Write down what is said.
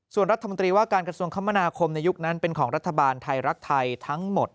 ส่วนรัฐมนตรีว่าการกระทรวงคมนาคมในยุคนั้นเป็นของรัฐบาลไทยรักไทยทั้งหมด